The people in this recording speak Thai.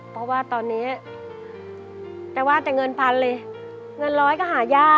เพราะว่าตอนนี้แต่ว่าแต่เงินพันเลยเงินร้อยก็หายาก